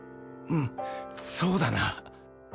うんそうだな。